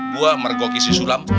gue mergoki si sulam